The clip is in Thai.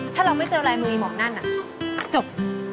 ถ้าเราไม่เจอลายมือหมอกนั่นจบ